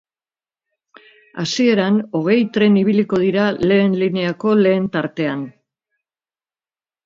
Hasieran hogei tren ibiliko dira lehen lineako lehen tartean.